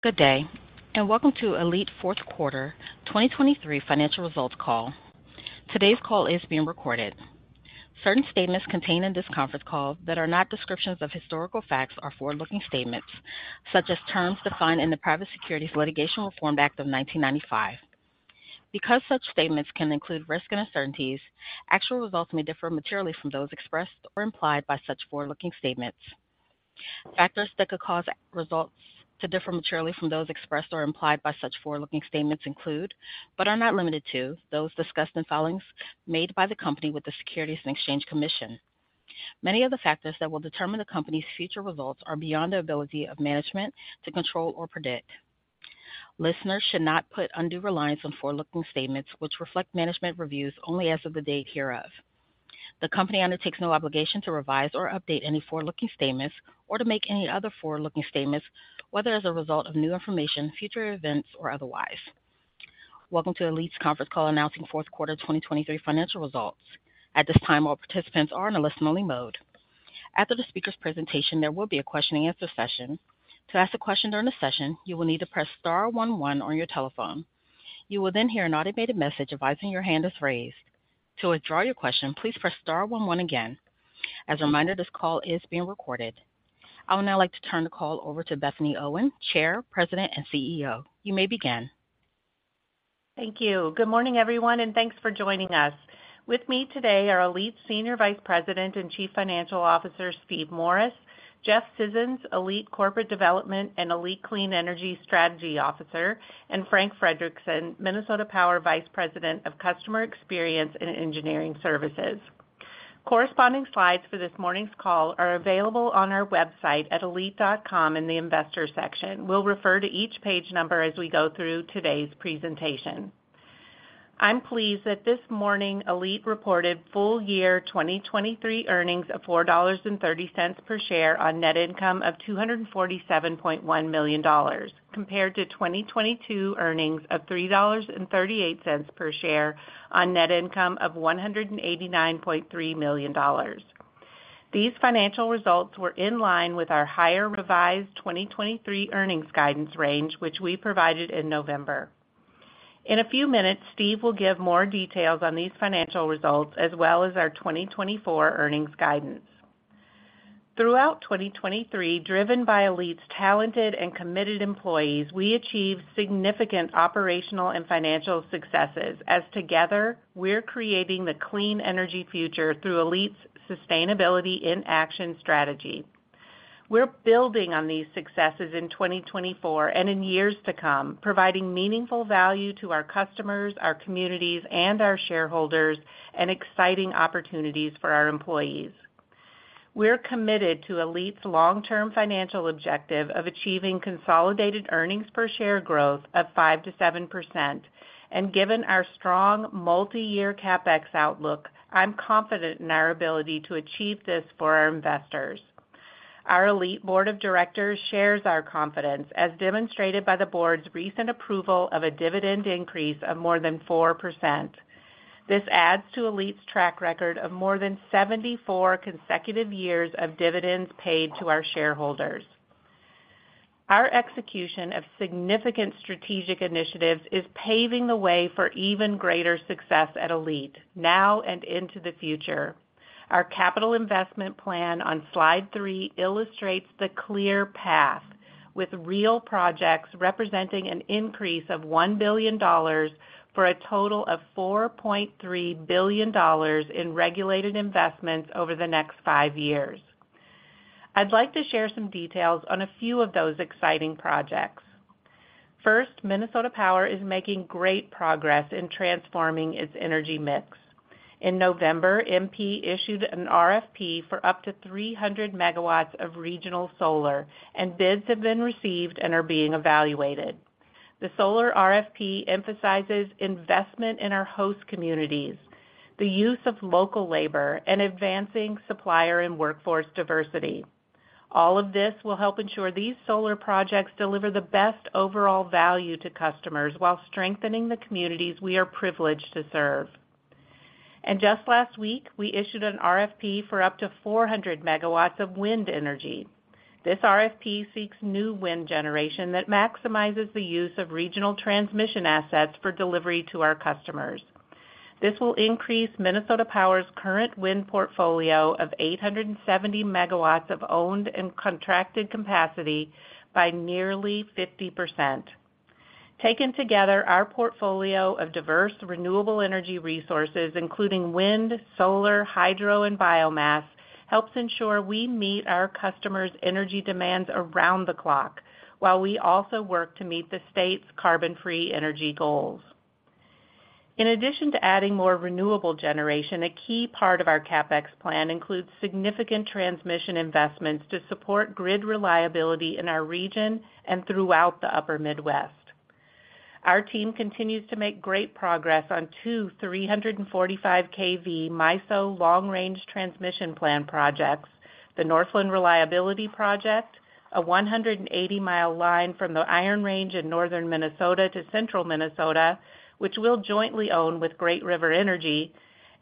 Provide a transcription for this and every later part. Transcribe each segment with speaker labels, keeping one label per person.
Speaker 1: Good day, and welcome to ALLETE Fourth Quarter 2023 Financial Results Call. Today's call is being recorded. Certain statements contained in this conference call that are not descriptions of historical facts are forward-looking statements, such as terms defined in the Private Securities Litigation Reform Act of 1995. Because such statements can include risks and uncertainties, actual results may differ materially from those expressed or implied by such forward-looking statements. Factors that could cause results to differ materially from those expressed or implied by such forward-looking statements include, but are not limited to, those discussed in filings made by the company with the Securities and Exchange Commission. Many of the factors that will determine the company's future results are beyond the ability of management to control or predict. Listeners should not put undue reliance on forward-looking statements, which reflect management reviews only as of the date hereof. The company undertakes no obligation to revise or update any forward-looking statements or to make any other forward-looking statements, whether as a result of new information, future events, or otherwise. Welcome to ALLETE's conference call announcing fourth quarter 2023 financial results. At this time, all participants are in a listen-only mode. After the speaker's presentation, there will be a question-and-answer session. To ask a question during the session, you will need to press star one one on your telephone. You will then hear an automated message advising your hand is raised. To withdraw your question, please press star one one again. As a reminder, this call is being recorded. I would now like to turn the call over to Bethany Owen, Chair, President, and CEO. You may begin.
Speaker 2: Thank you. Good morning, everyone, and thanks for joining us. With me today are ALLETE Senior Vice President and Chief Financial Officer, Steve Morris; Jeff Scissons, ALLETE Corporate Development and ALLETE Clean Energy Strategy Officer; and Frank Frederickson, Minnesota Power Vice President of Customer Experience and Engineering Services. Corresponding slides for this morning's call are available on our website at allete.com in the Investors section. We'll refer to each page number as we go through today's presentation. I'm pleased that this morning, ALLETE reported full year 2023 earnings of $4.30 per share on net income of $247.1 million, compared to 2022 earnings of $3.38 per share on net income of $189.3 million. These financial results were in line with our higher revised 2023 earnings guidance range, which we provided in November. In a few minutes, Steve will give more details on these financial results, as well as our 2024 earnings guidance. Throughout 2023, driven by ALLETE's talented and committed employees, we achieved significant operational and financial successes, as together, we're creating the clean energy future through ALLETE's Sustainability in Action strategy. We're building on these successes in 2024 and in years to come, providing meaningful value to our customers, our communities, and our shareholders, and exciting opportunities for our employees. We're committed to ALLETE's long-term financial objective of achieving consolidated earnings per share growth of 5%-7%. Given our strong multiyear CapEx outlook, I'm confident in our ability to achieve this for our investors. Our ALLETE Board of Directors shares our confidence, as demonstrated by the board's recent approval of a dividend increase of more than 4%. This adds to ALLETE's track record of more than 74 consecutive years of dividends paid to our shareholders. Our execution of significant strategic initiatives is paving the way for even greater success at ALLETE, now and into the future. Our capital investment plan on Slide 3 illustrates the clear path, with real projects representing an increase of $1 billion for a total of $4.3 billion in regulated investments over the next five years. I'd like to share some details on a few of those exciting projects. First, Minnesota Power is making great progress in transforming its energy mix. In November, MP issued an RFP for up to 300 MW of regional solar, and bids have been received and are being evaluated. The solar RFP emphasizes investment in our host communities, the use of local labor, and advancing supplier and workforce diversity. All of this will help ensure these solar projects deliver the best overall value to customers while strengthening the communities we are privileged to serve. Just last week, we issued an RFP for up to 400 MW of wind energy. This RFP seeks new wind generation that maximizes the use of regional transmission assets for delivery to our customers. This will increase Minnesota Power's current wind portfolio of 870 MW of owned and contracted capacity by nearly 50%. Taken together, our portfolio of diverse renewable energy resources, including wind, solar, hydro, and biomass, helps ensure we meet our customers' energy demands around the clock, while we also work to meet the state's carbon-free energy goals. In addition to adding more renewable generation, a key part of our CapEx plan includes significant transmission investments to support grid reliability in our region and throughout the Upper Midwest. Our team continues to make great progress on two 345 kV MISO long-range transmission plan projects: the Northland Reliability Project, a 180-mile line from the Iron Range in northern Minnesota to central Minnesota, which we'll jointly own with Great River Energy,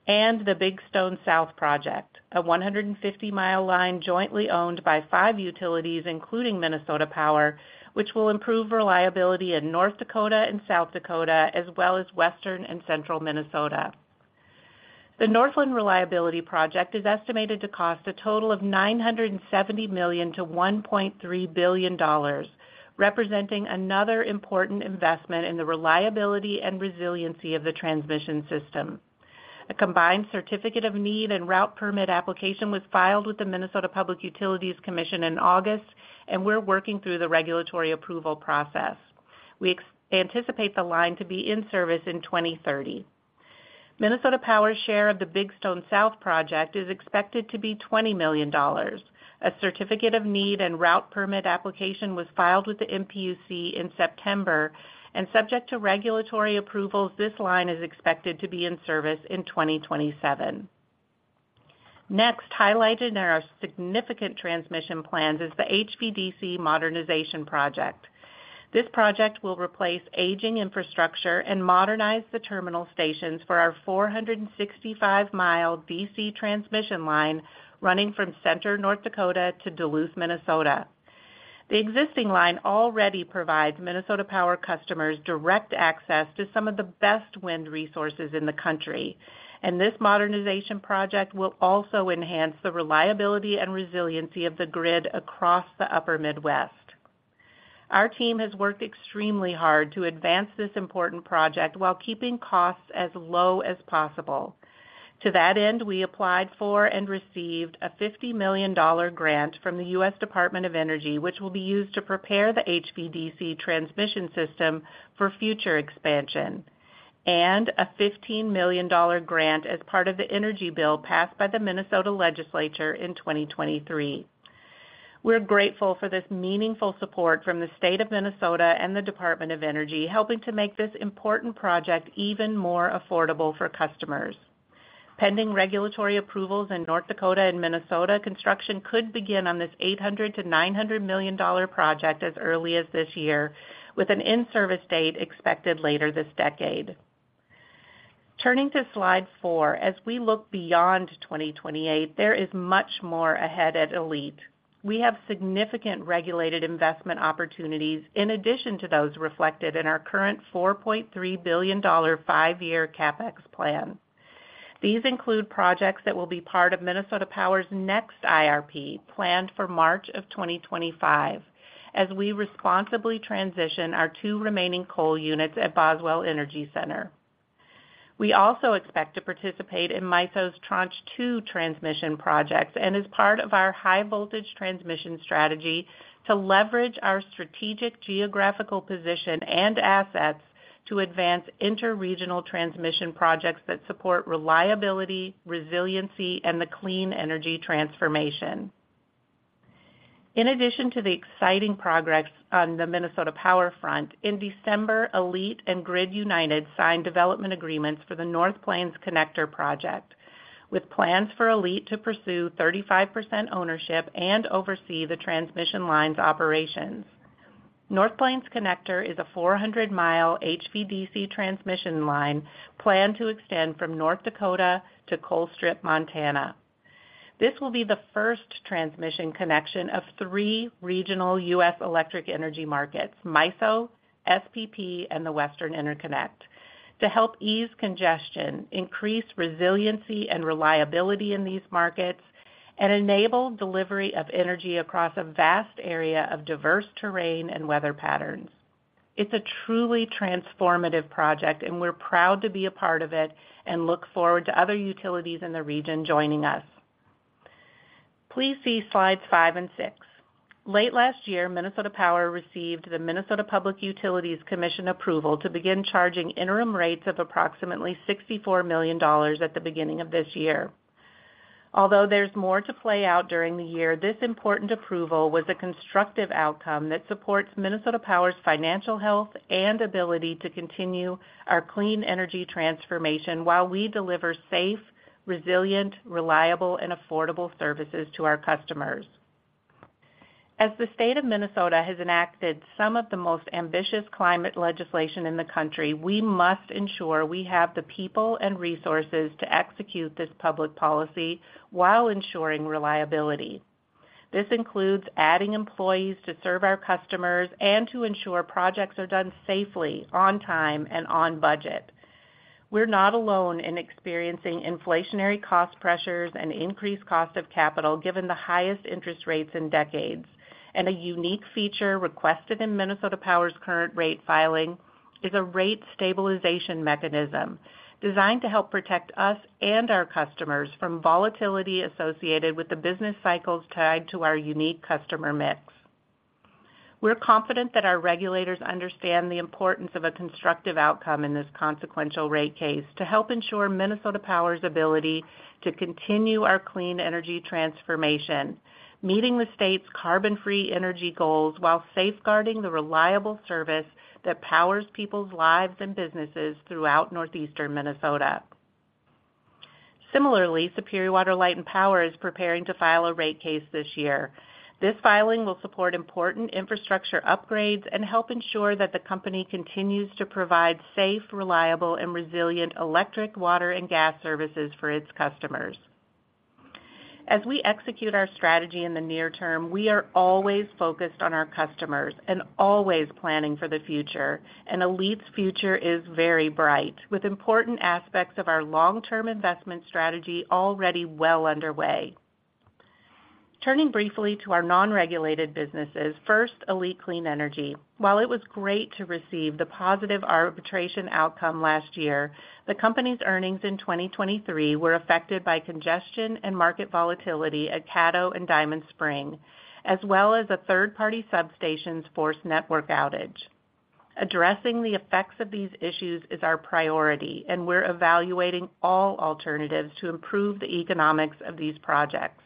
Speaker 2: and the Big Stone South Project, a 150 mi line jointly owned by five utilities, including Minnesota Power, which will improve reliability in North Dakota and South Dakota, as well as western and central Minnesota. The Northland Reliability Project is estimated to cost a total of $970 million-$1.3 billion, representing another important investment in the reliability and resiliency of the transmission system. A combined Certificate of Need and Route Permit application was filed with the Minnesota Public Utilities Commission in August, and we're working through the regulatory approval process. We anticipate the line to be in service in 2030. Minnesota Power's share of the Big Stone South project is expected to be $20 million. A Certificate of Need and Route Permit application was filed with the MPUC in September, and subject to regulatory approvals, this line is expected to be in service in 2027. Next, highlighted in our significant transmission plans is the HVDC Modernization Project. This project will replace aging infrastructure and modernize the terminal stations for our 465 mi DC transmission line, running from Center, North Dakota to Duluth, Minnesota. The existing line already provides Minnesota Power customers direct access to some of the best wind resources in the country, and this modernization project will also enhance the reliability and resiliency of the grid across the Upper Midwest. Our team has worked extremely hard to advance this important project while keeping costs as low as possible. To that end, we applied for and received a $50 million grant from the U.S. Department of Energy, which will be used to prepare the HVDC transmission system for future expansion, and a $15 million grant as part of the energy bill passed by the Minnesota Legislature in 2023. We're grateful for this meaningful support from the state of Minnesota and the Department of Energy, helping to make this important project even more affordable for customers. Pending regulatory approvals in North Dakota and Minnesota, construction could begin on this $800 million-$900 million project as early as this year, with an in-service date expected later this decade. Turning to Slide 4, as we look beyond 2028, there is much more ahead at ALLETE. We have significant regulated investment opportunities in addition to those reflected in our current $4.3 billion five-year CapEx plan. These include projects that will be part of Minnesota Power's next IRP, planned for March 2025, as we responsibly transition our two remaining coal units at Boswell Energy Center. We also expect to participate in MISO's Tranche 2 transmission projects, and as part of our high-voltage transmission strategy, to leverage our strategic geographical position and assets to advance interregional transmission projects that support reliability, resiliency, and the clean energy transformation. In addition to the exciting progress on the Minnesota Power front, in December, ALLETE and Grid United signed development agreements for the North Plains Connector project, with plans for ALLETE to pursue 35% ownership and oversee the transmission line's operations. North Plains Connector is a 400 mi HVDC transmission line planned to extend from North Dakota to Colstrip, Montana. This will be the first transmission connection of three regional US electric energy markets, MISO, SPP, and the Western Interconnect, to help ease congestion, increase resiliency and reliability in these markets, and enable delivery of energy across a vast area of diverse terrain and weather patterns. It's a truly transformative project, and we're proud to be a part of it and look forward to other utilities in the region joining us. Please see Slides 5 and 6. Late last year, Minnesota Power received the Minnesota Public Utilities Commission approval to begin charging interim rates of approximately $64 million at the beginning of this year. Although there's more to play out during the year, this important approval was a constructive outcome that supports Minnesota Power's financial health and ability to continue our clean energy transformation while we deliver safe, resilient, reliable, and affordable services to our customers. As the state of Minnesota has enacted some of the most ambitious climate legislation in the country, we must ensure we have the people and resources to execute this public policy while ensuring reliability. This includes adding employees to serve our customers and to ensure projects are done safely, on time, and on budget. We're not alone in experiencing inflationary cost pressures and increased cost of capital, given the highest interest rates in decades, and a unique feature requested in Minnesota Power's current rate filing is a rate stabilization mechanism designed to help protect us and our customers from volatility associated with the business cycles tied to our unique customer mix. We're confident that our regulators understand the importance of a constructive outcome in this consequential rate case to help ensure Minnesota Power's ability to continue our clean energy transformation, meeting the state's carbon-free energy goals while safeguarding the reliable service that powers people's lives and businesses throughout northeastern Minnesota. Similarly, Superior Water, Light and Power is preparing to file a rate case this year. This filing will support important infrastructure upgrades and help ensure that the company continues to provide safe, reliable, and resilient electric, water, and gas services for its customers.... As we execute our strategy in the near term, we are always focused on our customers and always planning for the future, and ALLETE's future is very bright, with important aspects of our long-term investment strategy already well underway. Turning briefly to our non-regulated businesses, first, ALLETE Clean Energy. While it was great to receive the positive arbitration outcome last year, the company's earnings in 2023 were affected by congestion and market volatility at Caddo and Diamond Spring, as well as a third-party substation's forced network outage. Addressing the effects of these issues is our priority, and we're evaluating all alternatives to improve the economics of these projects.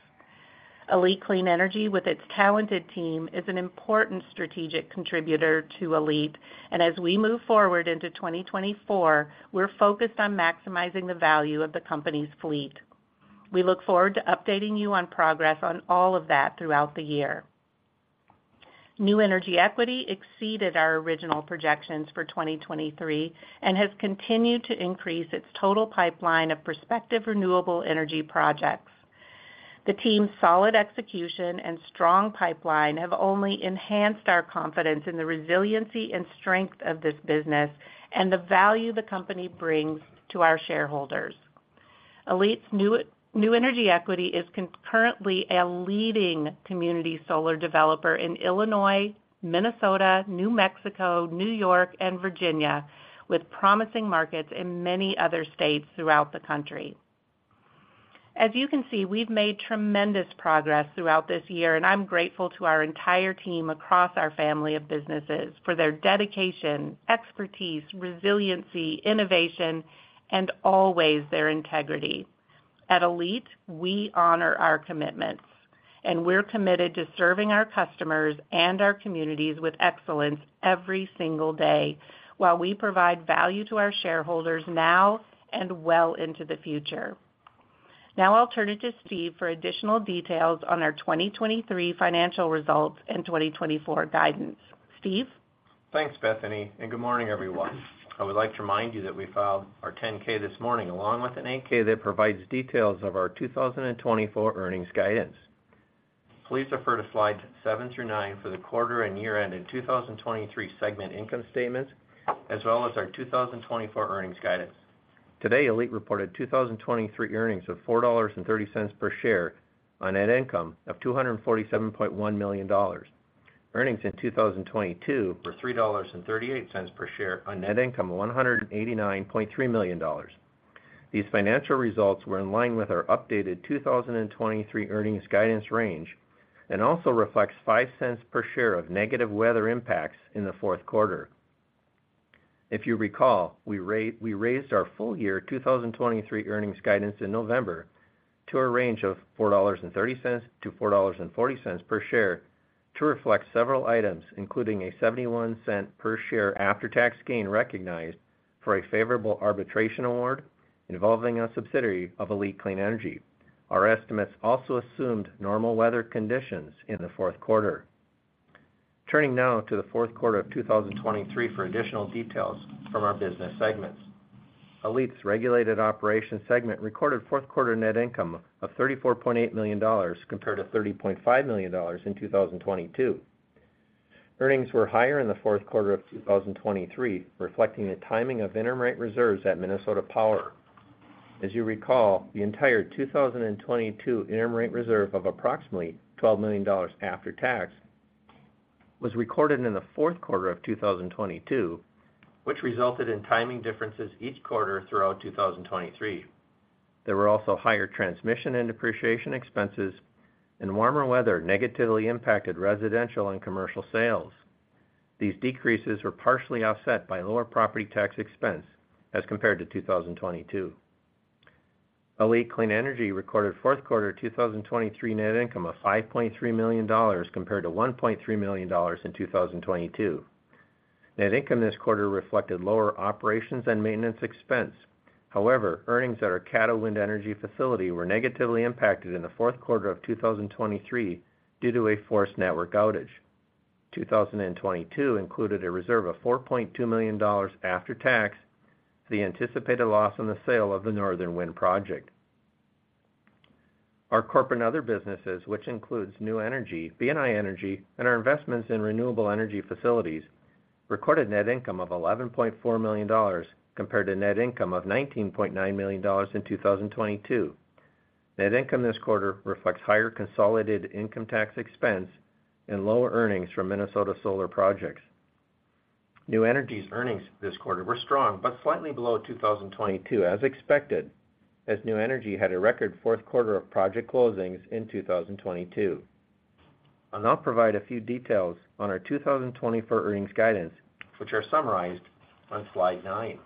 Speaker 2: ALLETE Clean Energy, with its talented team, is an important strategic contributor to ALLETE, and as we move forward into 2024, we're focused on maximizing the value of the company's fleet. We look forward to updating you on progress on all of that throughout the year. New Energy Equity exceeded our original projections for 2023 and has continued to increase its total pipeline of prospective renewable energy projects. The team's solid execution and strong pipeline have only enhanced our confidence in the resiliency and strength of this business and the value the company brings to our shareholders. ALLETE's New, New Energy Equity is concurrently a leading community solar developer in Illinois, Minnesota, New Mexico, New York, and Virginia, with promising markets in many other states throughout the country. As you can see, we've made tremendous progress throughout this year, and I'm grateful to our entire team across our family of businesses for their dedication, expertise, resiliency, innovation, and always their integrity. At ALLETE, we honor our commitments, and we're committed to serving our customers and our communities with excellence every single day, while we provide value to our shareholders now and well into the future. Now I'll turn it to Steve for additional details on our 2023 financial results and 2024 guidance. Steve?
Speaker 3: Thanks, Bethany, and good morning, everyone. I would like to remind you that we filed our 10-K this morning, along with an 8-K that provides details of our 2024 earnings guidance. Please refer to Slides 7 through 9 for the quarter and year-end in 2023 segment income statements, as well as our 2024 earnings guidance. Today, ALLETE reported 2023 earnings of $4.30 per share on net income of $247.1 million. Earnings in 2022 were $3.38 per share on net income of $189.3 million. These financial results were in line with our updated 2023 earnings guidance range and also reflects $0.05 per share of negative weather impacts in the fourth quarter. If you recall, we raised our full-year 2023 earnings guidance in November to a range of $4.30-$4.40 per share to reflect several items, including a $0.71 per share after-tax gain recognized for a favorable arbitration award involving a subsidiary of ALLETE Clean Energy. Our estimates also assumed normal weather conditions in the fourth quarter. Turning now to the fourth quarter of 2023 for additional details from our business segments. ALLETE's regulated operation segment recorded fourth quarter net income of $34.8 million, compared to $30.5 million in 2022. Earnings were higher in the fourth quarter of 2023, reflecting the timing of interim rate reserves at Minnesota Power. As you recall, the entire 2022 interim rate reserve of approximately $12 million after tax was recorded in the fourth quarter of 2022, which resulted in timing differences each quarter throughout 2023. There were also higher transmission and depreciation expenses, and warmer weather negatively impacted residential and commercial sales. These decreases were partially offset by lower property tax expense as compared to 2022. ALLETE Clean Energy recorded fourth quarter 2023 net income of $5.3 million, compared to $1.3 million in 2022. Net income this quarter reflected lower operations and maintenance expense. However, earnings at our Caddo Wind Energy facility were negatively impacted in the fourth quarter of 2023 due to a forced network outage. 2022 included a reserve of $4.2 million after tax, the anticipated loss on the sale of the Northern Wind project. Our corporate and other businesses, which includes New Energy, BNI Energy, and our investments in renewable energy facilities, recorded net income of $11.4 million, compared to net income of $19.9 million in 2022. Net income this quarter reflects higher consolidated income tax expense and lower earnings from Minnesota solar projects. New Energy's earnings this quarter were strong, but slightly below 2022, as expected, as New Energy had a record fourth quarter of project closings in 2022. I'll now provide a few details on our 2024 earnings guidance, which are summarized on Slide 9.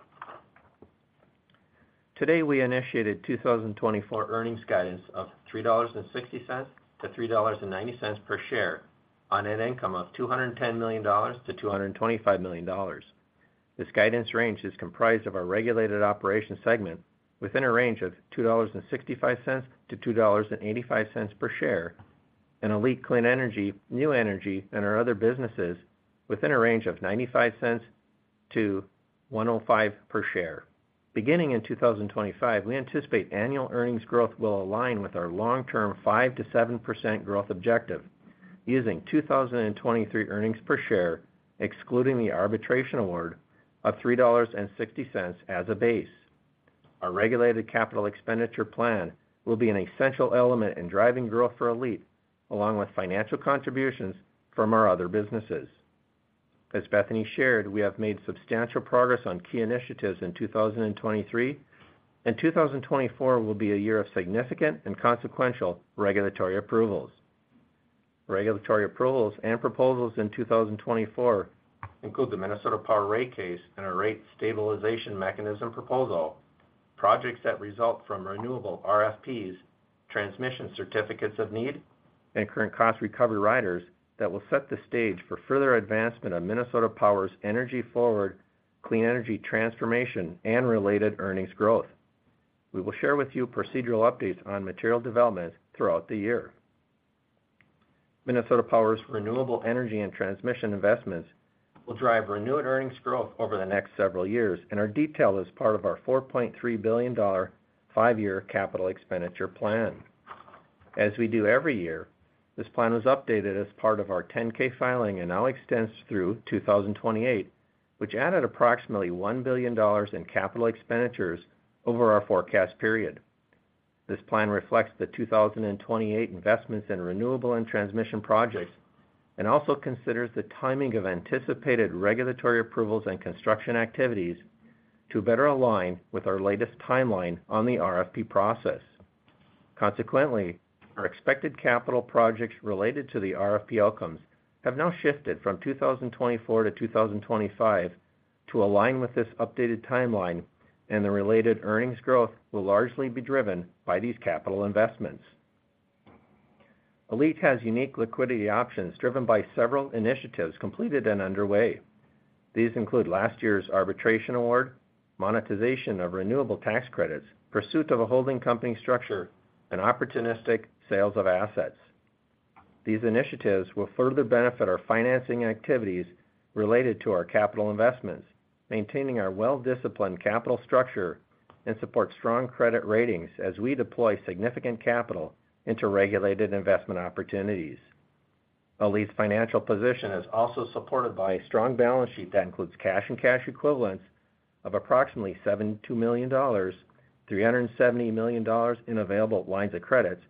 Speaker 3: Today, we initiated 2024 earnings guidance of $3.60-$3.90 per share on net income of $210 million-$225 million. This guidance range is comprised of our regulated operations segment within a range of $2.65-$2.85 per share, and ALLETE Clean Energy, New Energy, and our other businesses within a range of $0.95-$1.05 per share. Beginning in 2025, we anticipate annual earnings growth will align with our long-term 5%-7% growth objective, using 2023 earnings per share, excluding the arbitration award of $3.60 as a base. Our regulated capital expenditure plan will be an essential element in driving growth for ALLETE, along with financial contributions from our other businesses. As Bethany shared, we have made substantial progress on key initiatives in 2023, and 2024 will be a year of significant and consequential regulatory approvals. Regulatory approvals and proposals in 2024 include the Minnesota Power Rate Case and our Rate Stabilization Mechanism proposal, projects that result from renewable RFPs, transmission certificates of need, and current cost recovery riders that will set the stage for further advancement of Minnesota Power's energy forward, clean energy transformation, and related earnings growth. We will share with you procedural updates on material developments throughout the year. Minnesota Power's renewable energy and transmission investments will drive renewed earnings growth over the next several years and are detailed as part of our $4.3 billion five-year capital expenditure plan. As we do every year, this plan was updated as part of our 10-K filing and now extends through 2028, which added approximately $1 billion in capital expenditures over our forecast period. This plan reflects the 2028 investments in renewable and transmission projects, and also considers the timing of anticipated regulatory approvals and construction activities to better align with our latest timeline on the RFP process. Consequently, our expected capital projects related to the RFP outcomes have now shifted from 2024 to 2025 to align with this updated timeline, and the related earnings growth will largely be driven by these capital investments. ALLETE has unique liquidity options driven by several initiatives completed and underway. These include last year's arbitration award, monetization of renewable tax credits, pursuit of a holding company structure, and opportunistic sales of assets. These initiatives will further benefit our financing activities related to our capital investments, maintaining our well-disciplined capital structure, and support strong credit ratings as we deploy significant capital into regulated investment opportunities. ALLETE's financial position is also supported by a strong balance sheet that includes cash and cash equivalents of approximately $72 million, $370 million in available lines of credit,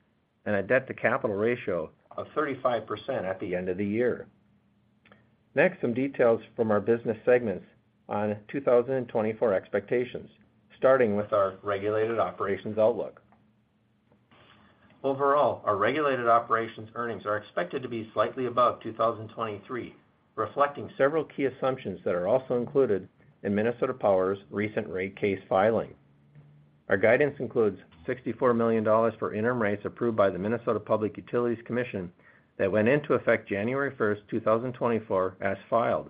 Speaker 3: and a debt-to-capital ratio of 35% at the end of the year. Next, some details from our business segments on 2024 expectations, starting with our regulated operations outlook. Overall, our regulated operations earnings are expected to be slightly above 2023, reflecting several key assumptions that are also included in Minnesota Power's recent rate case filing. Our guidance includes $64 million for interim rates approved by the Minnesota Public Utilities Commission that went into effect January 1, 2024, as filed.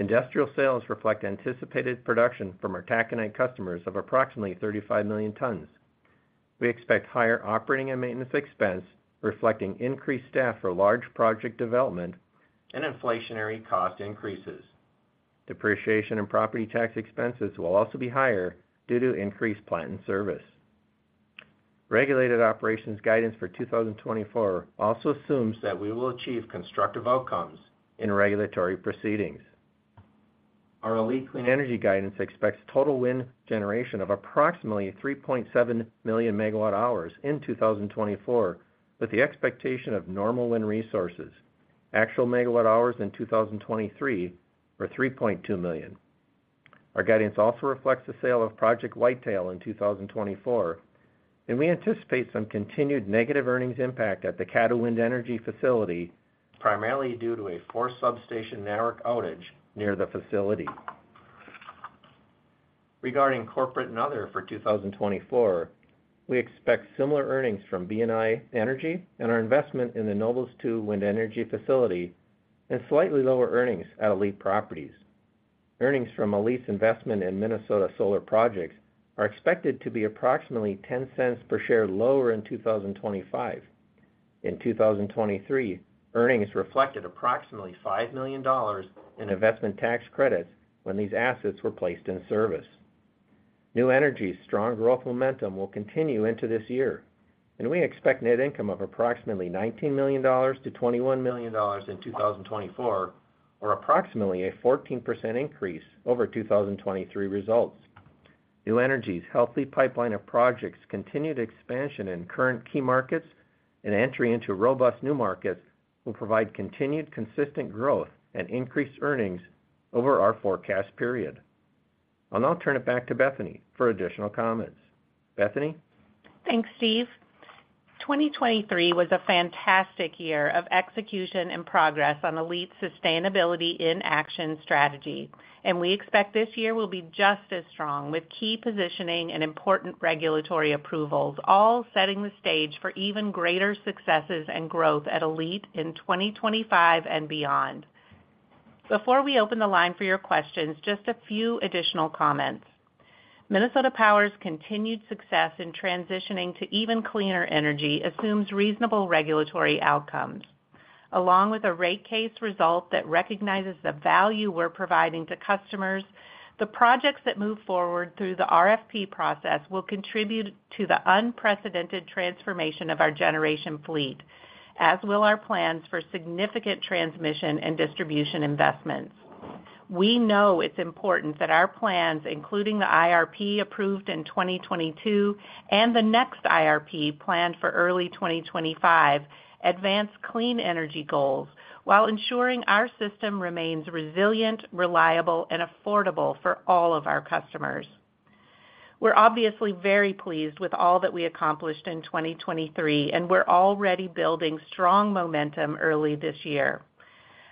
Speaker 3: Industrial sales reflect anticipated production from our taconite customers of approximately 35 million tons. We expect higher operating and maintenance expense, reflecting increased staff for large project development and inflationary cost increases. Depreciation and property tax expenses will also be higher due to increased plant and service. Regulated operations guidance for 2024 also assumes that we will achieve constructive outcomes in regulatory proceedings. Our ALLETE Clean Energy guidance expects total wind generation of approximately 3.7 million MWh in 2024, with the expectation of normal wind resources. Actual MWh in 2023 were 3.2 million. Our guidance also reflects the sale of Project Whitetail in 2024, and we anticipate some continued negative earnings impact at the Caddo Wind Energy Facility, primarily due to a forced substation network outage near the facility. Regarding corporate and other for 2024, we expect similar earnings from BNI Energy and our investment in the Nobles 2 Wind Energy Facility, and slightly lower earnings at ALLETE Properties. Earnings from ALLETE's investment in Minnesota Solar Projects are expected to be approximately $0.10 per share lower in 2025. In 2023, earnings reflected approximately $5 million in investment tax credits when these assets were placed in service. New Energy's strong growth momentum will continue into this year, and we expect net income of approximately $19 million-$21 million in 2024, or approximately a 14% increase over 2023 results. New Energy's healthy pipeline of projects, continued expansion in current key markets, and entry into robust new markets will provide continued, consistent growth and increased earnings over our forecast period. I'll now turn it back to Bethany for additional comments. Bethany?
Speaker 2: Thanks, Steve. 2023 was a fantastic year of execution and progress on ALLETE's Sustainability in Action strategy, and we expect this year will be just as strong, with key positioning and important regulatory approvals, all setting the stage for even greater successes and growth at ALLETE in 2025 and beyond. Before we open the line for your questions, just a few additional comments. Minnesota Power's continued success in transitioning to even cleaner energy assumes reasonable regulatory outcomes. Along with a rate case result that recognizes the value we're providing to customers, the projects that move forward through the RFP process will contribute to the unprecedented transformation of our generation fleet, as will our plans for significant transmission and distribution investments. We know it's important that our plans, including the IRP, approved in 2022, and the next IRP, planned for early 2025, advance clean energy goals while ensuring our system remains resilient, reliable, and affordable for all of our customers. We're obviously very pleased with all that we accomplished in 2023, and we're already building strong momentum early this year.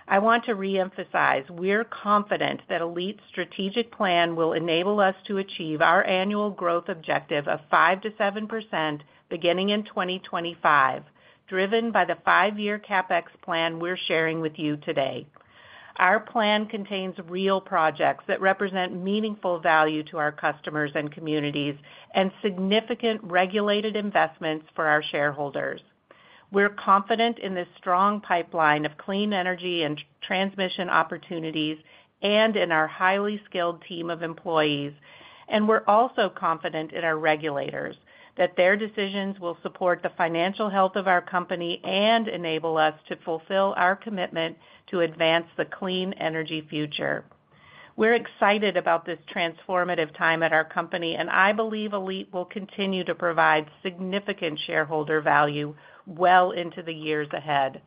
Speaker 2: I want to reemphasize, we're confident that ALLETE's strategic plan will enable us to achieve our annual growth objective of 5%-7% beginning in 2025, driven by the five-year CapEx plan we're sharing with you today. Our plan contains real projects that represent meaningful value to our customers and communities, and significant regulated investments for our shareholders. We're confident in this strong pipeline of clean energy and transmission opportunities and in our highly skilled team of employees, and we're also confident in our regulators, that their decisions will support the financial health of our company and enable us to fulfill our commitment to advance the clean energy future. We're excited about this transformative time at our company, and I believe ALLETE will continue to provide significant shareholder value well into the years ahead.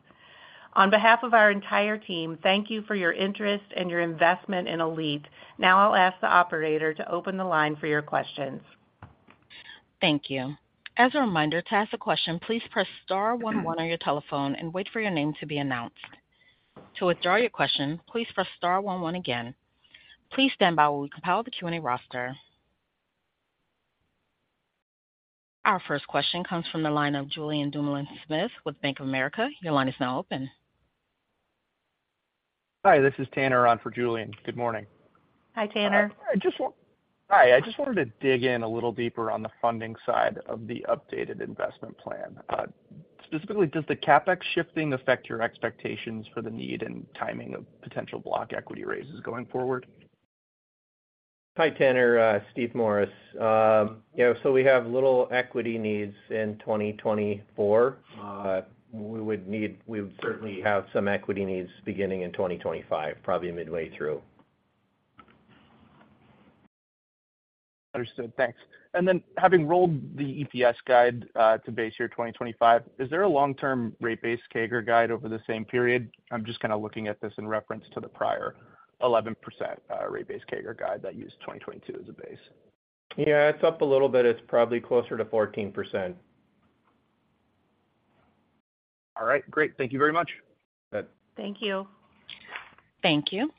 Speaker 2: On behalf of our entire team, thank you for your interest and your investment in ALLETE. Now I'll ask the operator to open the line for your questions.
Speaker 1: Thank you. As a reminder, to ask a question, please press star one one on your telephone and wait for your name to be announced. To withdraw your question, please press star one one again. Please stand by while we compile the Q&A roster. Our first question comes from the line of Julien Dumoulin-Smith with Bank of America. Your line is now open.
Speaker 4: Hi, this is Tanner on for Julien. Good morning.
Speaker 2: Hi, Tanner.
Speaker 4: I just wanted to dig in a little deeper on the funding side of the updated investment plan. Specifically, does the CapEx shifting affect your expectations for the need and timing of potential block equity raises going forward?
Speaker 3: Hi, Tanner, Steve Morris. Yeah, so we have little equity needs in 2024. We would need—we would certainly have some equity needs beginning in 2025, probably midway through.
Speaker 4: Understood. Thanks. And then, having rolled the EPS guide to base year 2025, is there a long-term rate base CAGR guide over the same period? I'm just kind of looking at this in reference to the prior 11% rate base CAGR guide that used 2022 as a base.
Speaker 3: Yeah, it's up a little bit. It's probably closer to 14%.
Speaker 4: All right, great. Thank you very much.
Speaker 3: Bet.
Speaker 2: Thank you.
Speaker 1: Thank you.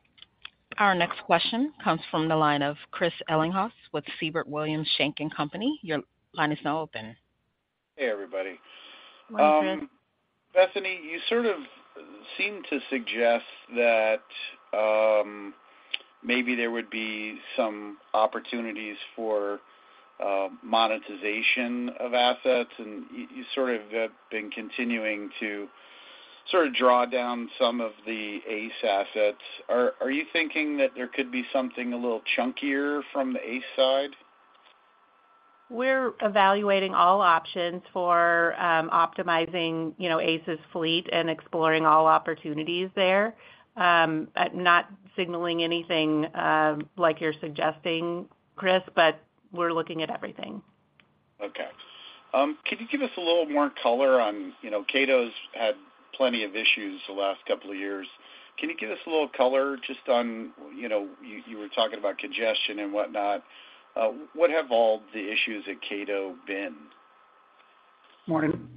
Speaker 1: Our next question comes from the line of Chris Ellinghaus with Siebert Williams Shank & Company. Your line is now open.
Speaker 5: Hey, everybody.
Speaker 2: Hi, Chris.
Speaker 5: Bethany, you sort of seem to suggest that, maybe there would be some opportunities for, monetization of assets, and you sort of have been continuing to sort of draw down some of the ACE assets. Are you thinking that there could be something a little chunkier from the ACE side?
Speaker 2: We're evaluating all options for optimizing, you know, ACE's fleet and exploring all opportunities there. I'm not signaling anything like you're suggesting, Chris, but we're looking at everything.
Speaker 5: Okay. Could you give us a little more color on, you know, Caddo's had plenty of issues the last couple of years. Can you give us a little more color just on, you know, you were talking about congestion and whatnot, what have all the issues at Caddo been?
Speaker 6: Morning,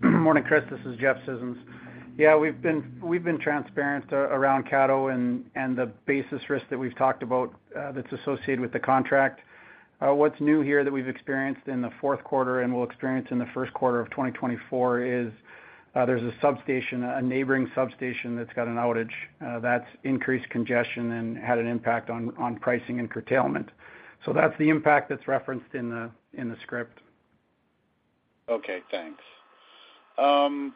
Speaker 6: Chris. This is Jeff Scissons. Yeah, we've been, we've been transparent around Caddo and the basis risk that we've talked about that's associated with the contract. What's new here that we've experienced in the fourth quarter and will experience in the first quarter of 2024 is there's a substation, a neighboring substation that's got an outage that's increased congestion and had an impact on pricing and curtailment. So that's the impact that's referenced in the script.
Speaker 5: Okay, thanks. The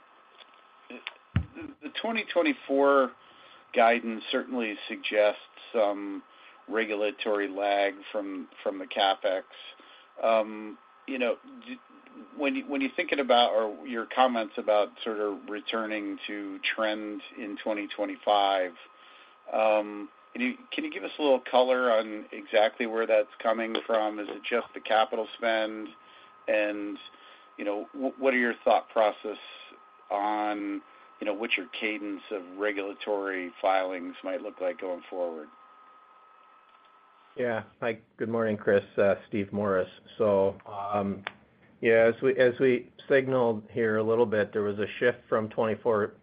Speaker 5: 2024 guidance certainly suggests some regulatory lag from the CapEx. You know, when you, when you're thinking about or your comments about sort of returning to trend in 2025, can you give us a little color on exactly where that's coming from? Is it just the capital spend? And, you know, what are your thought process on, you know, what your cadence of regulatory filings might look like going forward?
Speaker 3: Yeah. Hi, good morning, Chris. Steve Morris. So, yeah, as we signaled here a little bit, there was a shift from 2024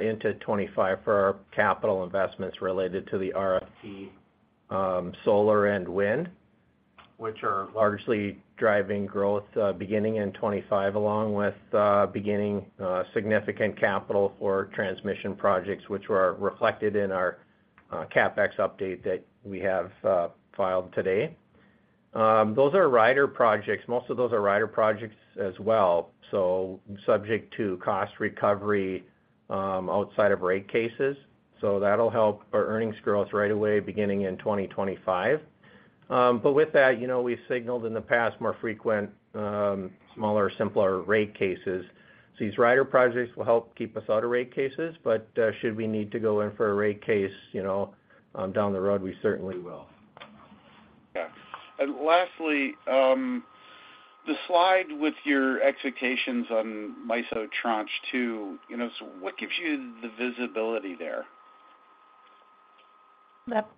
Speaker 3: into 2025 for our capital investments related to the RFP, solar and wind, which are largely driving growth, beginning in 2025, along with beginning significant capital for transmission projects, which were reflected in our CapEx update that we have filed today. Those are rider projects. Most of those are rider projects as well, so subject to cost recovery, outside of rate cases. So that'll help our earnings growth right away, beginning in 2025. But with that, you know, we've signaled in the past, more frequent, smaller, simpler rate cases. So these rider projects will help keep us out of rate cases, but, should we need to go in for a rate case, you know, down the road, we certainly will.
Speaker 5: Yeah. And lastly, the slide with your expectations on MISO Tranche 2, you know, so what gives you the visibility there?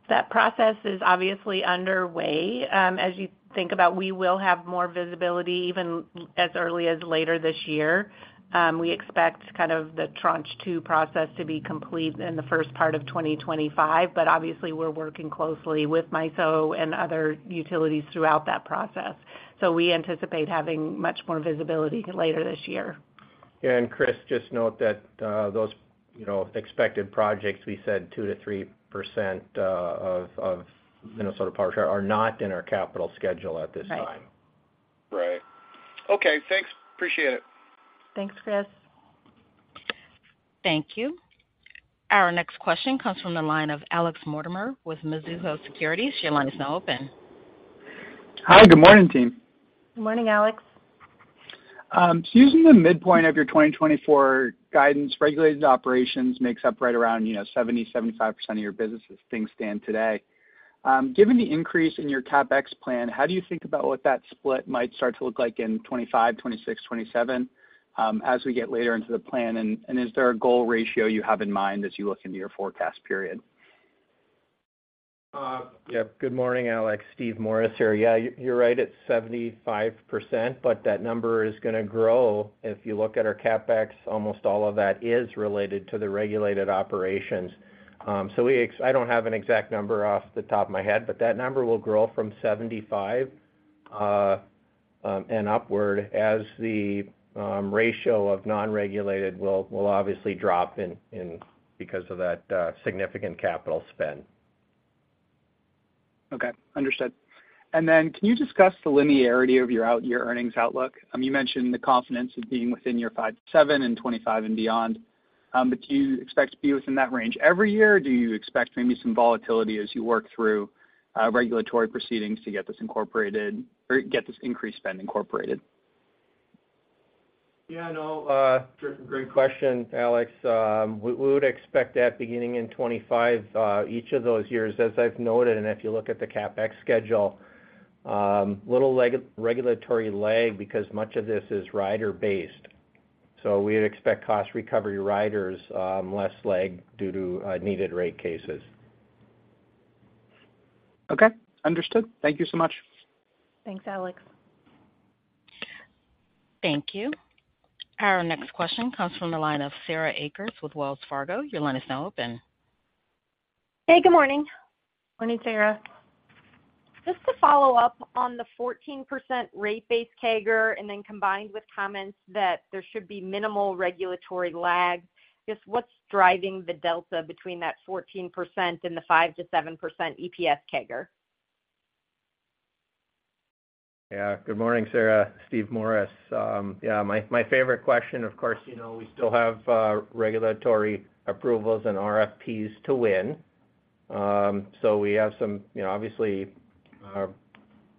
Speaker 2: That process is obviously underway. As you think about, we will have more visibility even as early as later this year. We expect kind of the Tranche 2 process to be complete in the first part of 2025, but obviously we're working closely with MISO and other utilities throughout that process. So we anticipate having much more visibility later this year.
Speaker 3: Yeah, and Chris, just note that those, you know, expected projects, we said 2%-3% of Minnesota Power are not in our capital schedule at this time.
Speaker 2: Right.
Speaker 5: Right. Okay, thanks. Appreciate it.
Speaker 2: Thanks, Chris.
Speaker 1: Thank you. Our next question comes from the line of Alex Mortimer with Mizuho Securities. Your line is now open.
Speaker 7: Hi, good morning, team.
Speaker 2: Good morning, Alex.
Speaker 7: So using the midpoint of your 2024 guidance, regulated operations makes up right around, you know, 70%-75% of your business as things stand today. Given the increase in your CapEx plan, how do you think about what that split might start to look like in 2025, 2026, 2027, as we get later into the plan? And, and is there a goal ratio you have in mind as you look into your forecast period?
Speaker 3: Yep. Good morning, Alex. Steve Morris here. Yeah, you're right, it's 75%, but that number is gonna grow. If you look at our CapEx, almost all of that is related to the regulated operations. So, I don't have an exact number off the top of my head, but that number will grow from 75 and upward as the ratio of non-regulated will obviously drop in because of that significant capital spend.
Speaker 7: Okay, understood. And then can you discuss the linearity of your out year earnings outlook? You mentioned the confidence of being within your five-seven in 2025 and beyond, but do you expect to be within that range every year, or do you expect maybe some volatility as you work through, regulatory proceedings to get this incorporated, or get this increased spend incorporated?
Speaker 3: Yeah, no, great question, Alex. We would expect that beginning in 2025, each of those years, as I've noted, and if you look at the CapEx schedule, little regulatory lag, because much of this is rider-based. So we'd expect cost recovery riders, less lag due to needed rate cases.
Speaker 7: Okay, understood. Thank you so much.
Speaker 2: Thanks, Alex.
Speaker 1: Thank you. Our next question comes from the line of Sarah Akers with Wells Fargo. Your line is now open.
Speaker 8: Hey, good morning.
Speaker 2: Morning, Sarah.
Speaker 8: Just to follow up on the 14% rate base CAGR, and then combined with comments that there should be minimal regulatory lag, just what's driving the delta between that 14% and the 5%-7% EPS CAGR?
Speaker 3: Yeah. Good morning, Sarah. Steve Morris. Yeah, my favorite question, of course, you know, we still have regulatory approvals and RFPs to win. So we have some, you know, obviously,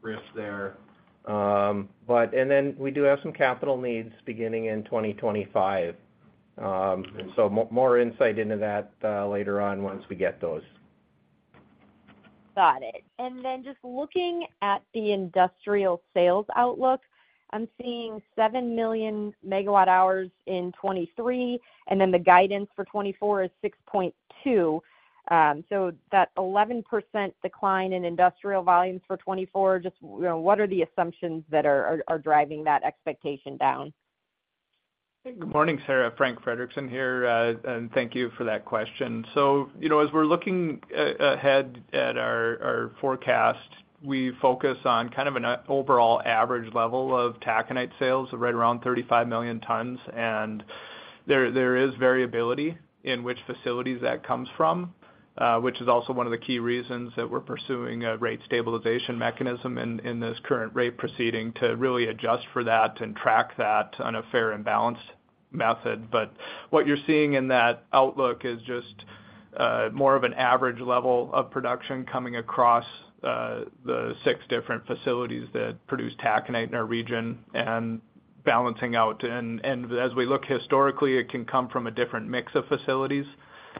Speaker 3: risk there. But and then we do have some capital needs beginning in 2025. And so more insight into that, later on, once we get those.
Speaker 8: Got it. Just looking at the industrial sales outlook, I'm seeing 7 million MWh in 2023, and then the guidance for 2024 is 6.2. So that 11% decline in industrial volumes for 2024, just, you know, what are the assumptions that are driving that expectation down?
Speaker 9: Good morning, Sarah. Frank Frederickson here, and thank you for that question. So, you know, as we're looking ahead at our forecast, we focus on kind of an overall average level of taconite sales, right around 35 million tons. And there is variability in which facilities that comes from, which is also one of the key reasons that we're pursuing a rate stabilization mechanism in this current rate proceeding to really adjust for that and track that on a fair and balanced method. But what you're seeing in that outlook is just more of an average level of production coming across the six different facilities that produce taconite in our region and balancing out. And as we look historically, it can come from a different mix of facilities,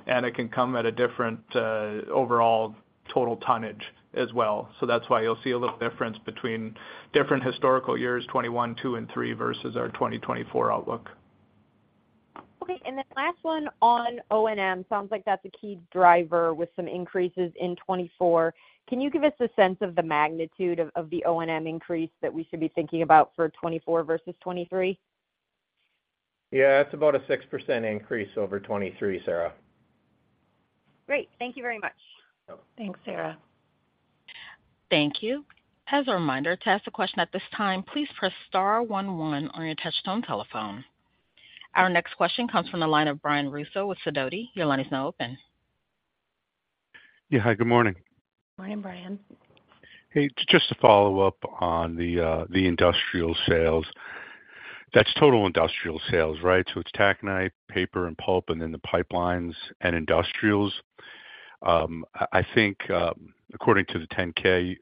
Speaker 9: and it can come at a different overall total tonnage as well. That's why you'll see a little difference between different historical years, 2021, 2022, and 2023 versus our 2024 outlook.
Speaker 8: Okay, and then last one on O&M. Sounds like that's a key driver with some increases in 2024. Can you give us a sense of the magnitude of the O&M increase that we should be thinking about for 2024 versus 2023?
Speaker 3: Yeah, it's about a 6% increase over 2023, Sarah.
Speaker 8: Great. Thank you very much.
Speaker 2: Thanks, Sarah.
Speaker 1: Thank you. As a reminder, to ask a question at this time, please press star one one on your touchtone telephone. Our next question comes from the line of Brian Russo with Sidoti. Your line is now open.
Speaker 10: Yeah, hi, good morning.
Speaker 2: Morning, Brian.
Speaker 10: Hey, just to follow up on the industrial sales. That's total industrial sales, right? So it's taconite, paper and pulp, and then the pipelines and industrials. I think, according to the 10-K,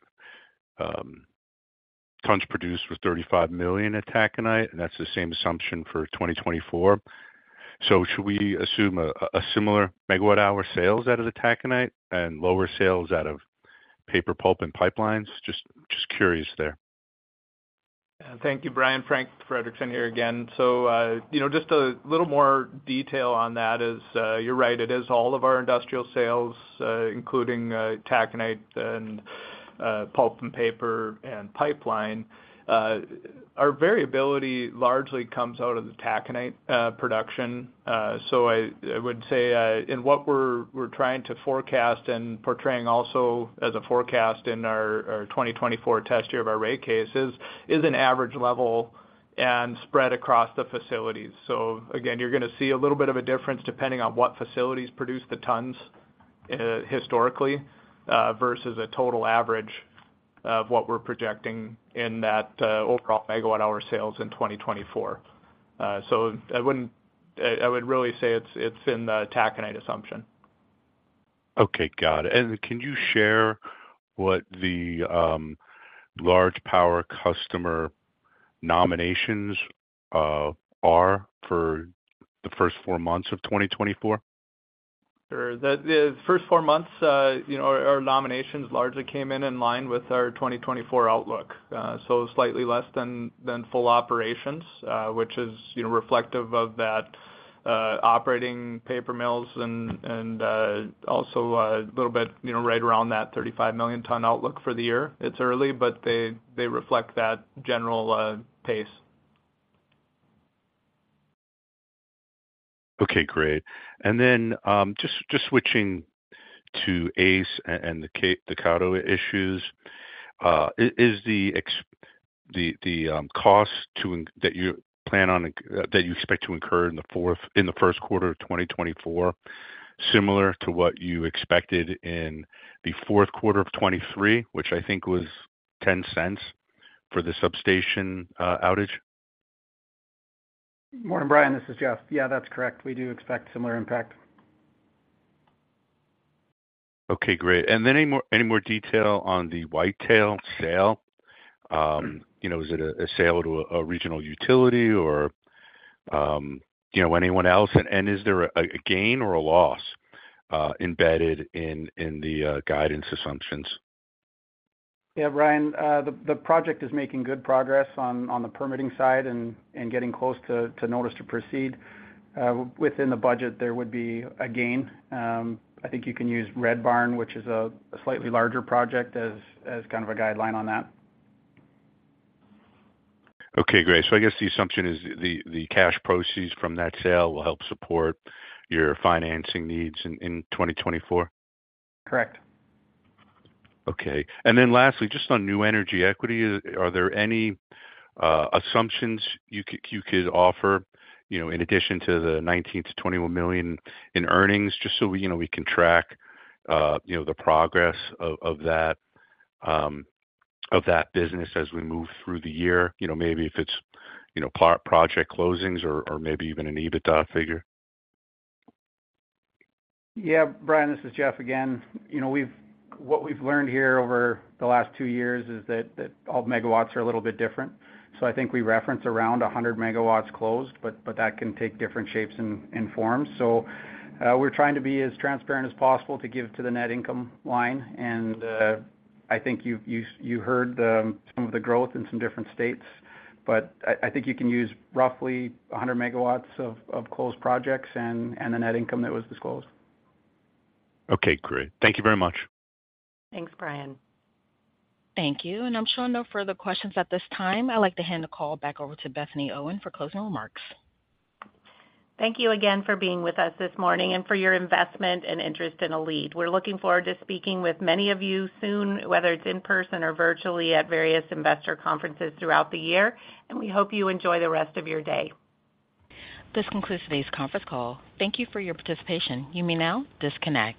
Speaker 10: tons produced were 35 million at taconite, and that's the same assumption for 2024. So should we assume a similar megawatt-hour sales out of the taconite and lower sales out of paper, pulp, and pipelines? Just curious there.
Speaker 9: Thank you, Brian. Frank Frederickson here again. So, you know, just a little more detail on that is, you're right, it is all of our industrial sales, including, taconite and, pulp and paper and pipeline. Our variability largely comes out of the taconite, production. So I, I would say, in what we're, we're trying to forecast and portraying also as a forecast in our, our 2024 test year of our rate cases, is an average level and spread across the facilities. So again, you're gonna see a little bit of a difference depending on what facilities produce the tons, historically, versus a total average of what we're projecting in that, overall megawatt-hour sales in 2024. So I wouldn't... I, I would really say it's, it's in the taconite assumption.
Speaker 10: Okay, got it. And can you share what the large power customer nominations are for the first four months of 2024?
Speaker 9: Sure. The first four months, you know, our nominations largely came in line with our 2024 outlook. So slightly less than full operations, which is, you know, reflective of that operating paper mills and a little bit, you know, right around that 35 million ton outlook for the year. It's early, but they reflect that general pace.
Speaker 10: Okay, great. And then, just switching to ACE and the Caddo issues. Is the expected cost that you plan on incurring in the first quarter of 2024 similar to what you expected in the fourth quarter of 2023, which I think was $0.10 for the substation outage?
Speaker 6: Morning, Brian, this is Jeff. Yeah, that's correct. We do expect similar impact.
Speaker 10: Okay, great. And then any more, any more detail on the whitetail sale? You know, is it a sale to a regional utility or, you know, anyone else? And is there a gain or a loss embedded in the guidance assumptions?
Speaker 6: Yeah, Brian, the project is making good progress on the permitting side and getting close to notice to proceed. Within the budget, there would be a gain. I think you can use Red Barn, which is a slightly larger project, as kind of a guideline on that.
Speaker 10: Okay, great. So I guess the assumption is the, the cash proceeds from that sale will help support your financing needs in 2024?
Speaker 6: Correct.
Speaker 10: Okay. And then lastly, just on New Energy Equity, are there any assumptions you could offer, you know, in addition to the $19 million-$21 million in earnings, just so, you know, we can track, you know, the progress of that business as we move through the year? You know, maybe if it's, you know, project closings or maybe even an EBITDA figure.
Speaker 6: Yeah, Brian, this is Jeff again. You know, what we've learned here over the last two years is that all megawatts are a little bit different. So I think we reference around 100 MW closed, but that can take different shapes and forms. So, we're trying to be as transparent as possible to give to the net income line. And I think you've heard some of the growth in some different states, but I think you can use roughly 100 MW of closed projects and the net income that was disclosed.
Speaker 10: Okay, great. Thank you very much.
Speaker 2: Thanks, Brian.
Speaker 1: Thank you, and I'm showing no further questions at this time. I'd like to hand the call back over to Bethany Owen for closing remarks.
Speaker 2: Thank you again for being with us this morning and for your investment and interest in ALLETE. We're looking forward to speaking with many of you soon, whether it's in person or virtually at various investor conferences throughout the year, and we hope you enjoy the rest of your day.
Speaker 1: This concludes today's conference call. Thank you for your participation. You may now disconnect.